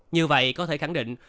như vậy có thể khẳng định